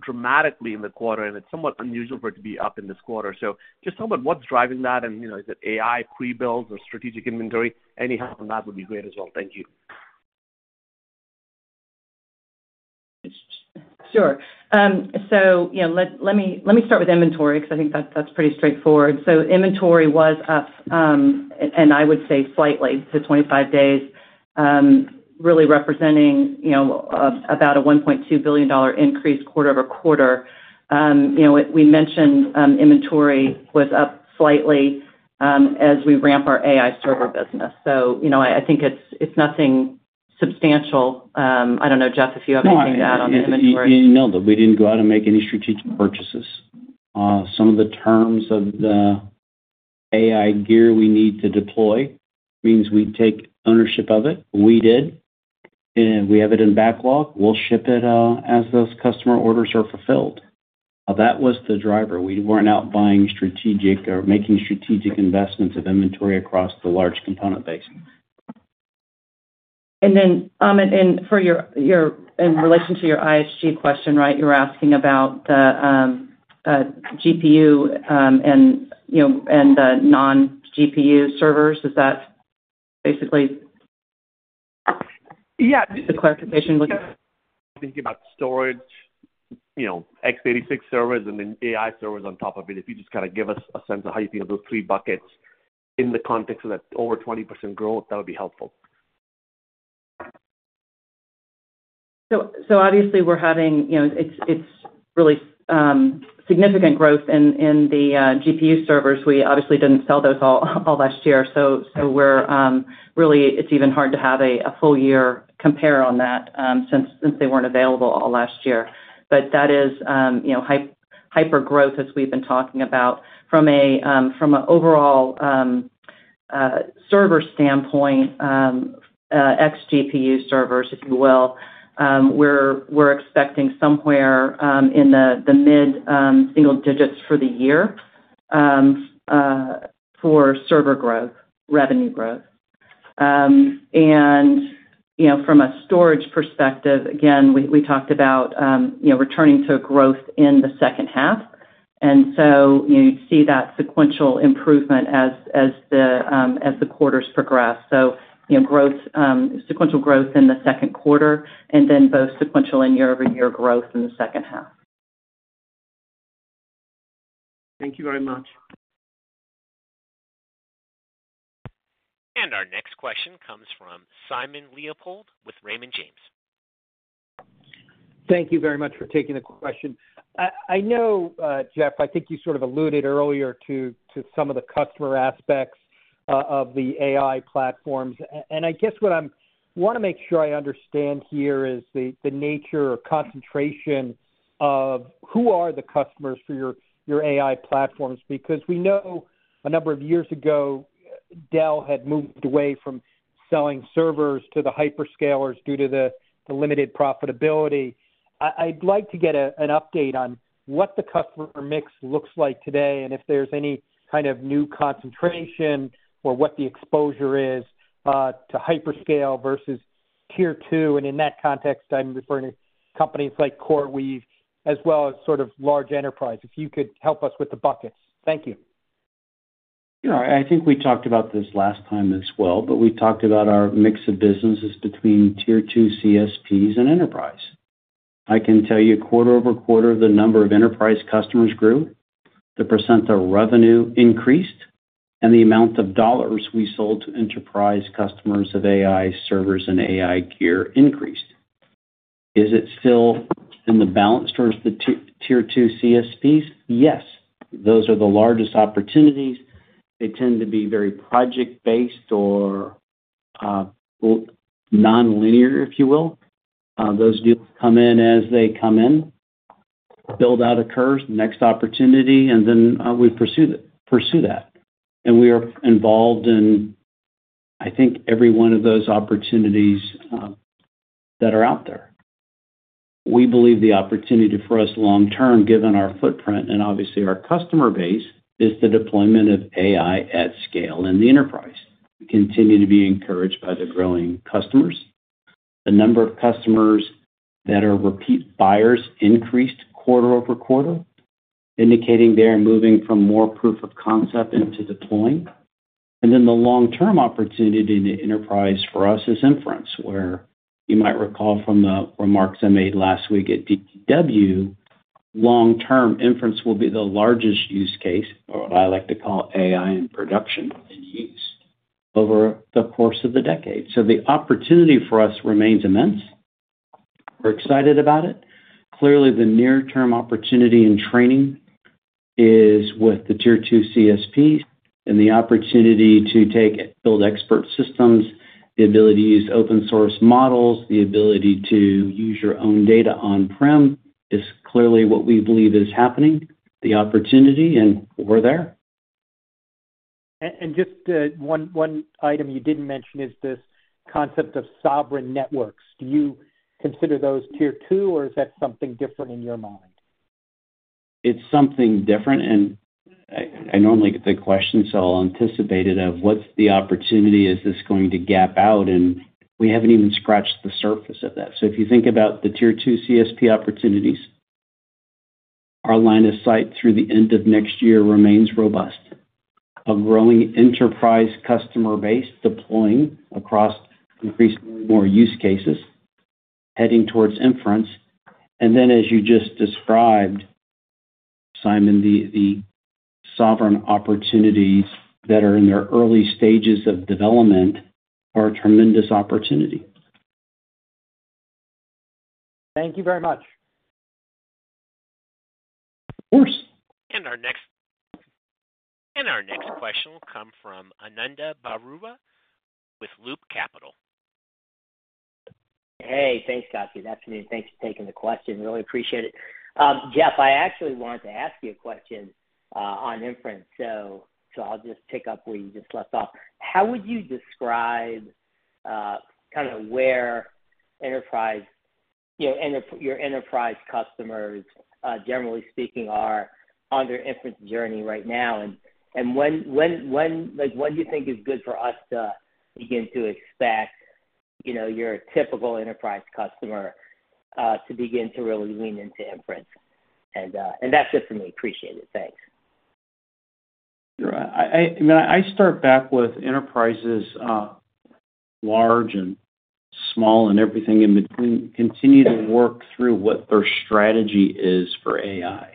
dramatically in the quarter, and it's somewhat unusual for it to be up in this quarter. So just talk about what's driving that and, you know, is it AI pre-build or strategic inventory? Any help on that would be great as well. Thank you. Sure. So you know, let me start with inventory because I think that's pretty straightforward. So inventory was up, and I would say slightly to 25 days, really representing, you know, about a $1.2 billion increase quarter over quarter. You know, we mentioned, inventory was up slightly, as we ramp our AI server business. So you know, I think it's nothing substantial. I don't know, Jeff, if you have anything to add on the inventory. No, but we didn't go out and make any strategic purchases. Some of the terms of the AI gear we need to deploy means we take ownership of it. We did, and we have it in backlog. We'll ship it, as those customer orders are fulfilled. That was the driver. We weren't out buying strategic or making strategic investments of inventory across the large component base. And then, Amit, for your in relation to your ISG question, right, you were asking about the GPU, you know, and the non-GPU servers. Is that basically- Yeah. The clarification would you- Thinking about storage, you know, x86 servers and then AI servers on top of it. If you just kind of give us a sense of how you think of those three buckets in the context of that over 20% growth, that would be helpful. So obviously, we're having, you know, it's really significant growth in the GPU servers. We obviously didn't sell those all last year, so we're really it's even hard to have a full-year compare on that, since they weren't available all last year. But that is, you know, hyper growth, as we've been talking about. From an overall server standpoint, ex-GPU servers, if you will, we're expecting somewhere in the mid single digits for the year, for server growth, revenue growth. And, you know, from a storage perspective, again, we talked about, you know, returning to growth in the second half, and so you see that sequential improvement as the quarters progress. You know, growth, sequential growth in the second quarter and then both sequential and year-over-year growth in the second half. Thank you very much. Our next question comes from Simon Leopold with Raymond James. Thank you very much for taking the question. I know, Jeff, I think you sort of alluded earlier to some of the customer aspects of the AI platforms. And I guess what I want to make sure I understand here is the nature or concentration of who are the customers for your AI platforms. Because we know a number of years ago, Dell had moved away from selling servers to the hyperscalers due to the limited profitability. I'd like to get an update on what the customer mix looks like today, and if there's any kind of new concentration or what the exposure is to hyperscale versus Tier 2. And in that context, I'm referring to companies like CoreWeave as well as sort of large enterprise, if you could help us with the buckets. Thank you. You know, I think we talked about this last time as well, but we talked about our mix of businesses between Tier 2 CSPs and enterprise. I can tell you quarter-over-quarter, the number of enterprise customers grew, the percent of revenue increased, and the amount of dollars we sold to enterprise customers of AI servers and AI gear increased. Is it still in the balance towards the Tier 2 CSPs? Yes, those are the largest opportunities. They tend to be very project-based or, well, nonlinear, if you will. Those deals come in as they come in, build-out occurs, next opportunity, and then, we pursue that. And we are involved in, I think, every one of those opportunities, that are out there. We believe the opportunity for us long-term, given our footprint and obviously our customer base, is the deployment of AI at scale in the enterprise. We continue to be encouraged by the growing customers. The number of customers that are repeat buyers increased quarter over quarter, indicating they are moving from more proof of concept into deploying. And then the long-term opportunity in the enterprise for us is inference, where you might recall from the remarks I made last week at DTW. Long-term inference will be the largest use case, or what I like to call AI in production, in use over the course of the decade. So the opportunity for us remains immense. We're excited about it. Clearly, the near-term opportunity in training is with the Tier 2 CSPs, and the opportunity to take, build expert systems, the ability to use open source models, the ability to use your own data on-prem, is clearly what we believe is happening, the opportunity, and we're there. And just one item you didn't mention is this concept of sovereign networks. Do you consider those Tier 2, or is that something different in your mind? It's something different, and I normally get the question, so I'll anticipate it, of what's the opportunity? Is this going to gap out? And we haven't even scratched the surface of that. So if you think about the Tier 2 CSP opportunities, our line of sight through the end of next year remains robust. A growing enterprise customer base, deploying across increasingly more use cases, heading towards inference. And then, as you just described, Simon, the sovereign opportunities that are in their early stages of development are a tremendous opportunity. Thank you very much. Of course. And our next question will come from Ananda Baruah with Loop Capital. Hey, thanks, Kathy. Good afternoon. Thanks for taking the question. Really appreciate it. Jeff, I actually wanted to ask you a question on inference, so I'll just pick up where you just left off. How would you describe kind of where enterprise, you know, your enterprise customers generally speaking are on their inference journey right now? And when, like, when do you think is good for us to begin to expect, you know, your typical enterprise customer to begin to really lean into inference? And that's it for me. Appreciate it. Thanks. Sure. I mean, I start back with enterprises, large and small, and everything in between, continue to work through what their strategy is for AI.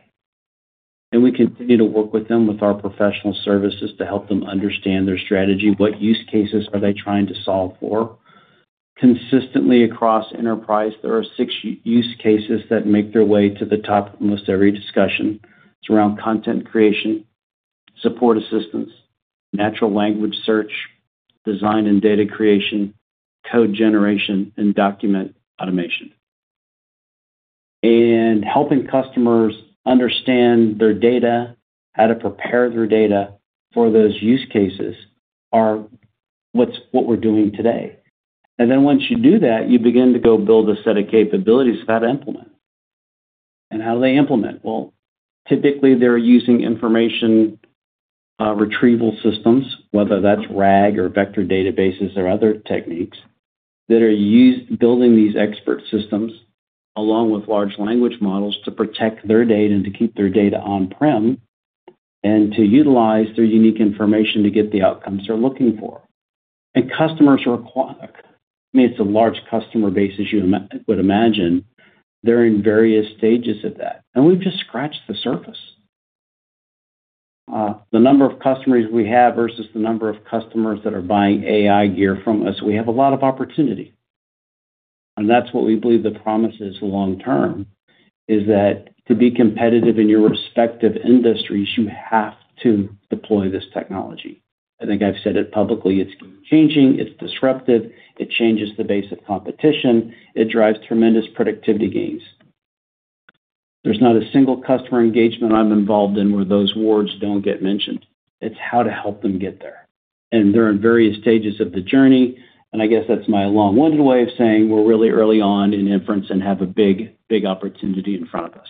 And we continue to work with them with our professional services to help them understand their strategy. What use cases are they trying to solve for? Consistently across enterprise, there are six use cases that make their way to the top of almost every discussion. It's around content creation, support assistance, natural language search, design and data creation, code generation, and document automation. And helping customers understand their data, how to prepare their data for those use cases, are what we're doing today. And then once you do that, you begin to go build a set of capabilities of how to implement. And how do they implement? Well, typically, they're using information retrieval systems, whether that's RAG or vector databases or other techniques, that are used building these expert systems, along with large language models, to protect their data and to keep their data on-prem, and to utilize their unique information to get the outcomes they're looking for. And customers require... I mean, it's a large customer base, as you would imagine. They're in various stages of that, and we've just scratched the surface. The number of customers we have versus the number of customers that are buying AI gear from us, we have a lot of opportunity, and that's what we believe the promise is long term, is that to be competitive in your respective industries, you have to deploy this technology. I think I've said it publicly, it's game-changing, it's disruptive, it changes the base of competition, it drives tremendous productivity gains. There's not a single customer engagement I'm involved in where those words don't get mentioned. It's how to help them get there, and they're in various stages of the journey, and I guess that's my long-winded way of saying we're really early on in inference and have a big, big opportunity in front of us.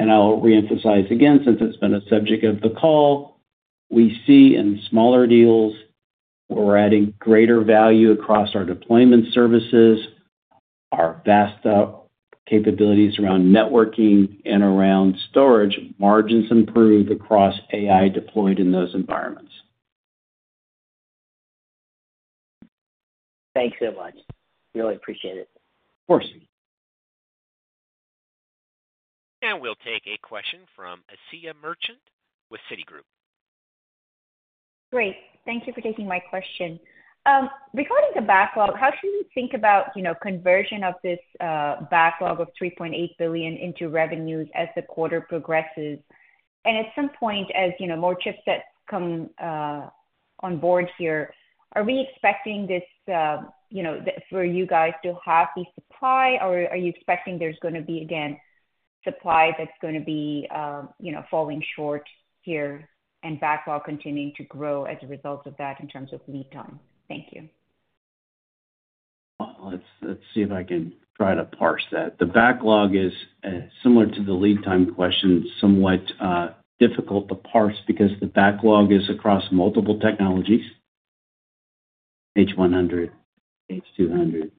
And I'll reemphasize again, since it's been a subject of the call, we see in smaller deals, we're adding greater value across our deployment services, our vast capabilities around networking and around storage, margins improve across AI deployed in those environments. Thanks so much. Really appreciate it. Of course. Now we'll take a question from Asiya Merchant with Citigroup. Great. Thank you for taking my question. Regarding the backlog, how should we think about, you know, conversion of this backlog of $3.8 billion into revenues as the quarter progresses? And at some point, as, you know, more chipsets come on board here, are we expecting this, you know, the-- for you guys to have the supply, or are you expecting there's gonna be, again, supply that's gonna be, you know, falling short here and backlog continuing to grow as a result of that in terms of lead time? Thank you. Well, let's, let's see if I can try to parse that. The backlog is similar to the lead time question, somewhat difficult to parse because the backlog is across multiple technologies: H100, H200,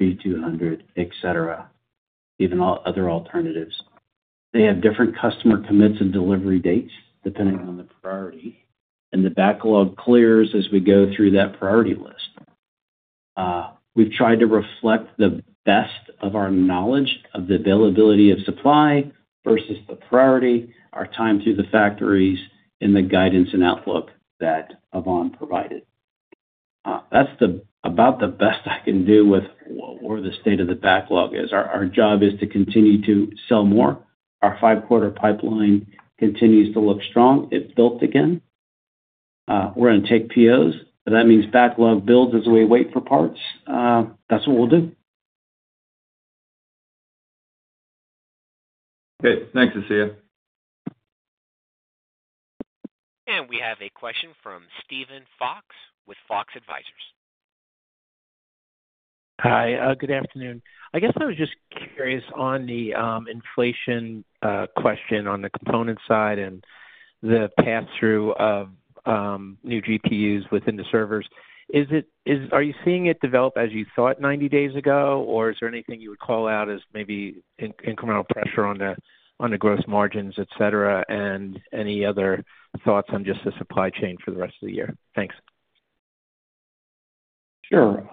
B200, et cetera, even all other alternatives. They have different customer commits and delivery dates, depending on the priority, and the backlog clears as we go through that priority list. We've tried to reflect the best of our knowledge of the availability of supply versus the priority, our time to the factories, and the guidance and outlook that Yvonne provided. That's about the best I can do with where the state of the backlog is. Our job is to continue to sell more. Our 5-quarter pipeline continues to look strong. It's built again. We're gonna take POs, so that means backlog builds as we wait for parts. That's what we'll do. Okay. Thanks, Asiya. And we have a question from Steven Fox with Fox Advisors. Hi, good afternoon. I guess I was just curious on the, inflation, question on the component side and the pass-through of, new GPUs within the servers. Are you seeing it develop as you thought 90 days ago, or is there anything you would call out as maybe incremental pressure on the, on the gross margins, et cetera, and any other thoughts on just the supply chain for the rest of the year? Thanks. Sure,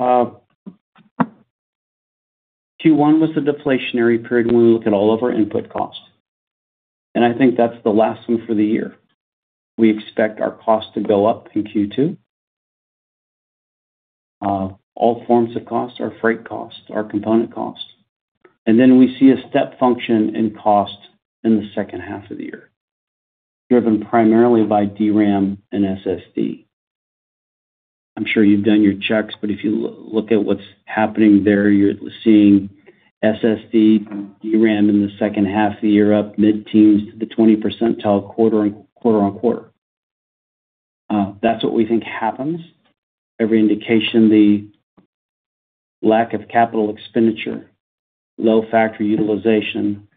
Q1 was a deflationary period when we look at all of our input costs, and I think that's the last one for the year. We expect our costs to go up in Q2. All forms of costs, our freight costs, our component costs, and then we see a step function in cost in the second half of the year, driven primarily by DRAM and SSD. I'm sure you've done your checks, but if you look at what's happening there, you're seeing SSD, DRAM in the second half of the year, up mid-teens to the 20 percentile quarter-on-quarter. That's what we think happens. Every indication, the lack of capital expenditure, low factory utilization,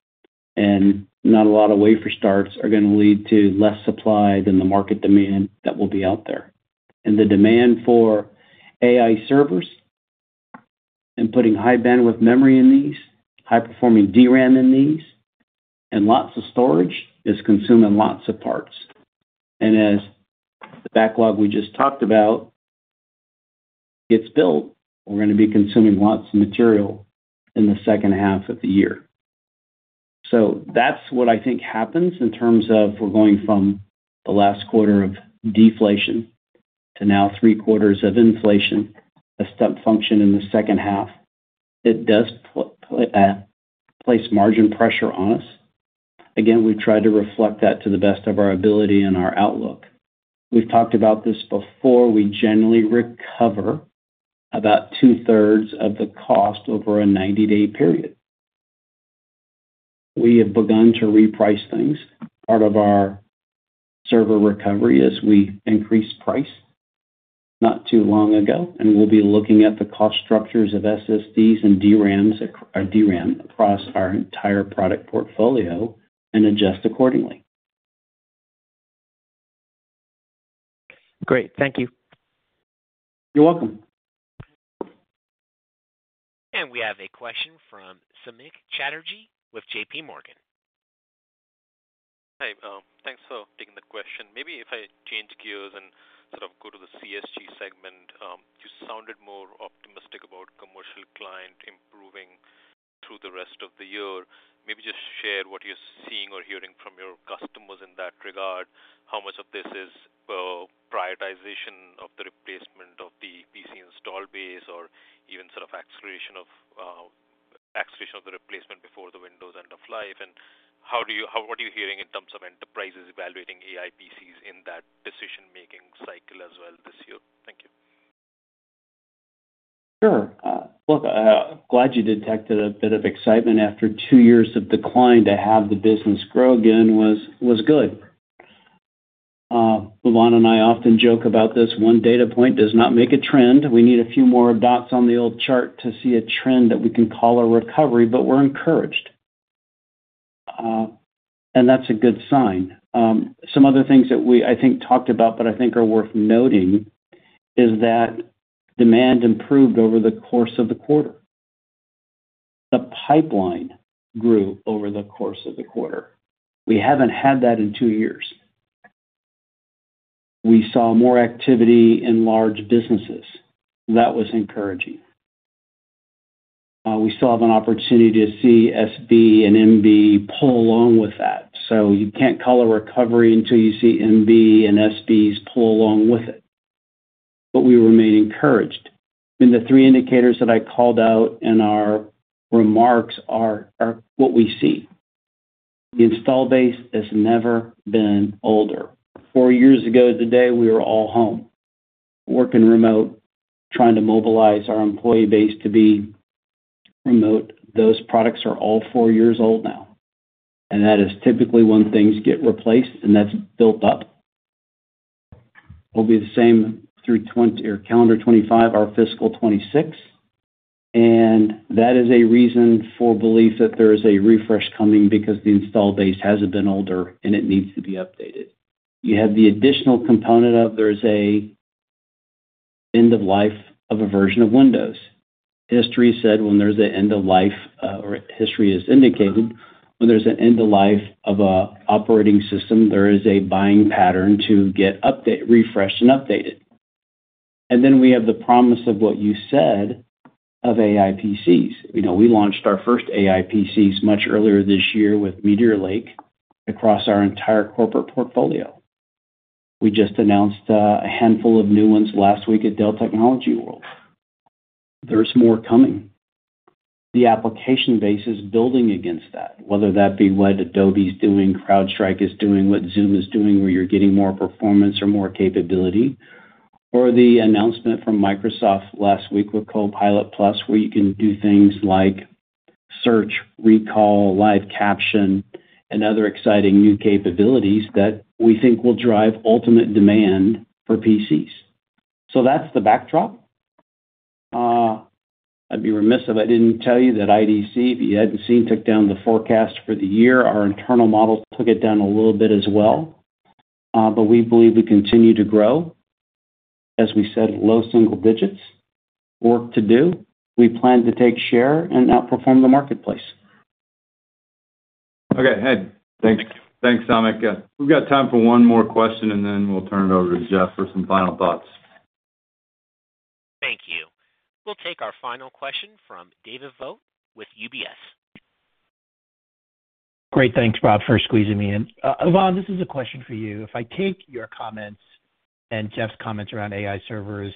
and not a lot of wafer starts are gonna lead to less supply than the market demand that will be out there. And the demand for AI servers and putting high-bandwidth memory in these, high-performing DRAM in these, and lots of storage, is consuming lots of parts. And as the backlog we just talked about gets built, we're gonna be consuming lots of material in the second half of the year. So that's what I think happens in terms of we're going from the last quarter of deflation to now three-quarters of inflation, a step function in the second half. It does place margin pressure on us. Again, we've tried to reflect that to the best of our ability and our outlook. We've talked about this before. We generally recover about two-thirds of the cost over a 90-day period. We have begun to reprice things, part of our server recovery, as we increased price not too long ago, and we'll be looking at the cost structures of SSDs and DRAM across our entire product portfolio and adjust accordingly. Great. Thank you. You're welcome. We have a question from Samik Chatterjee with JPMorgan. Hi, thanks for taking the question. Maybe if I change gears and sort of go to the CSG segment, you sounded more optimistic about commercial client improving through the rest of the year. Maybe just share what you're seeing or hearing from your customers in that regard. How much of this is prioritization of the replacement of the PC install base or even sort of acceleration of the replacement before the Windows end of life? And what are you hearing in terms of enterprises evaluating AI PCs in that decision-making cycle as well this year? Thank you. Sure. Look, glad you detected a bit of excitement after two years of decline. To have the business grow again was, was good. Yvonne and I often joke about this, one data point does not make a trend. We need a few more dots on the old chart to see a trend that we can call a recovery, but we're encouraged. And that's a good sign. Some other things that we, I think, talked about that I think are worth noting, is that demand improved over the course of the quarter. The pipeline grew over the course of the quarter. We haven't had that in two years. We saw more activity in large businesses. That was encouraging. We still have an opportunity to see SB and MB pull along with that. So you can't call a recovery until you see MB and SBs pull along with it. But we remain encouraged, and the three indicators that I called out in our remarks are what we see. The install base has never been older. Four years ago today, we were all home, working remote, trying to mobilize our employee base to be remote. Those products are all four years old now, and that is typically when things get replaced, and that's built up. It will be the same through 2020 or calendar 2025, our fiscal 2026, and that is a reason for belief that there is a refresh coming because the install base hasn't been older, and it needs to be updated. You have the additional component of there's an end of life of a version of Windows. History has indicated when there's an end of life of an operating system, there is a buying pattern to get updated, refreshed and updated. And then we have the promise of what you said of AI PCs. You know, we launched our first AI PCs much earlier this year with Meteor Lake across our entire corporate portfolio. We just announced a handful of new ones last week at Dell Technologies World. There's more coming. The application base is building against that, whether that be what Adobe's doing, CrowdStrike is doing, what Zoom is doing, where you're getting more performance or more capability, or the announcement from Microsoft last week with Copilot+, where you can do things like search, recall, live caption, and other exciting new capabilities that we think will drive ultimate demand for PCs. So that's the backdrop. I'd be remiss if I didn't tell you that IDC, if you hadn't seen, took down the forecast for the year. Our internal models took it down a little bit as well, but we believe we continue to grow. As we said, low single digits, work to do. We plan to take share and outperform the marketplace. Okay, Jeff. Thanks. Thanks, Amit. We've got time for one more question, and then we'll turn it over to Jeff for some final thoughts. Thank you. We'll take our final question from David Vogt with UBS. Great, thanks, Rob, for squeezing me in. Yvonne, this is a question for you. If I take your comments and Jeff's comments around AI servers,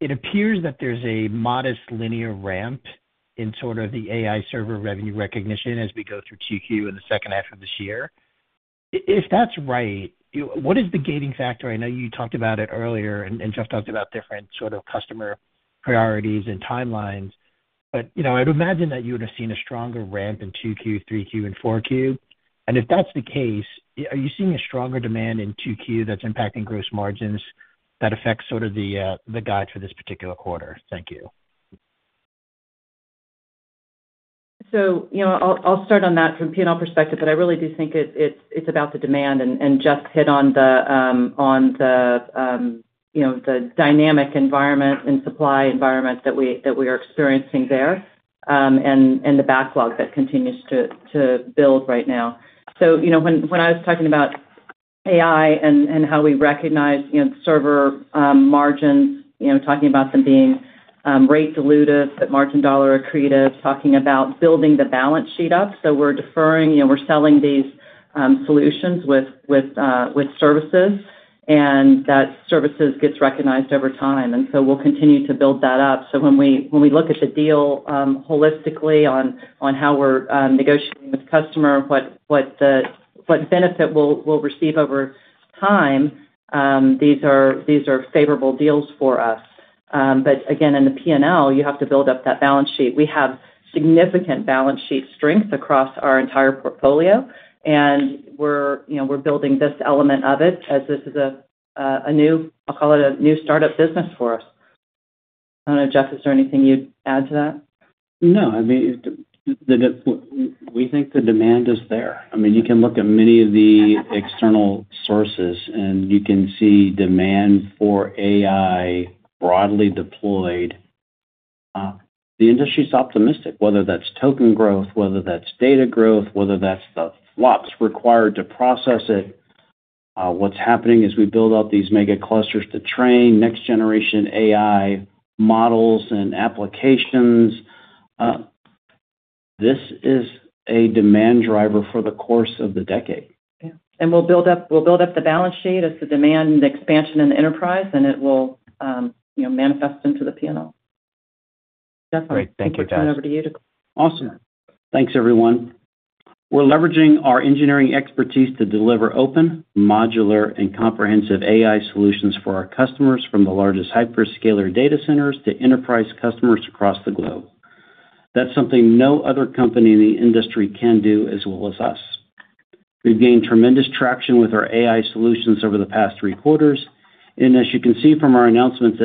it appears that there's a modest linear ramp in sort of the AI server revenue recognition as we go through Q2 in the second half of this year. If that's right, you, what is the gating factor? I know you talked about it earlier, and Jeff talked about different sort of customer priorities and timelines, but, you know, I'd imagine that you would have seen a stronger ramp in Q2, Q3, and Q4. And if that's the case, are you seeing a stronger demand in Q2 that's impacting gross margins that affects sort of the, the guide for this particular quarter? Thank you. So, you know, I'll start on that from P&L perspective, but I really do think it's about the demand, and just hit on the dynamic environment and supply environment that we are experiencing there, and the backlog that continues to build right now. So, you know, when I was talking about AI and how we recognize server margins, you know, talking about them being rate dilutive, that margin dollar accretive, talking about building the balance sheet up. So we're deferring, you know, we're selling these solutions with services, and that services gets recognized over time, and so we'll continue to build that up. So when we, when we look at the deal, holistically on, on how we're, negotiating with customer, what, what the, what benefit we'll, we'll receive over time, these are, these are favorable deals for us. But again, in the P&L, you have to build up that balance sheet. We have significant balance sheet strength across our entire portfolio, and we're, you know, we're building this element of it, as this is a, a new, I'll call it, a new startup business for us. I don't know, Jeff, is there anything you'd add to that? No. I mean, we think the demand is there. I mean, you can look at many of the external sources, and you can see demand for AI broadly deployed. The industry's optimistic, whether that's token growth, whether that's data growth, whether that's the flops required to process it. What's happening is we build out these mega clusters to train next-generation AI models and applications. This is a demand driver for the course of the decade. Yeah. And we'll build up, we'll build up the balance sheet as the demand expansion in the enterprise, and it will, you know, manifest into the P&L. Great. Thank you, guys. Turn it over to you. Awesome. Thanks, everyone. We're leveraging our engineering expertise to deliver open, modular, and comprehensive AI solutions for our customers, from the largest hyperscaler data centers to enterprise customers across the globe. That's something no other company in the industry can do as well as us. We've gained tremendous traction with our AI solutions over the past three quarters, and as you can see from our announcement-